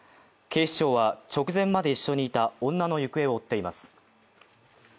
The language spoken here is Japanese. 警視庁は直前まで一緒にいた女の行方を追っています。